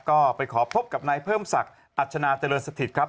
ก็ไปขอพบกับนายเพิ่มศักดิ์อัชนาเจริญสถิตครับ